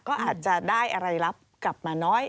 ก็อาจจะได้อะไรรับกลับมาน้อย